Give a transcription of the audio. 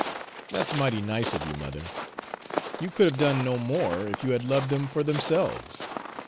"That's mighty nice of you, mother. You could have done no more if you had loved them for themselves.